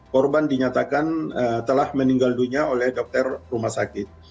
korban dinyatakan telah meninggal dunia oleh dokter rumah sakit